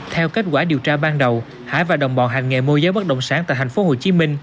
theo kết quả điều tra ban đầu hải và đồng bọn hành nghệ mua giấy bất động sản tại tp hcm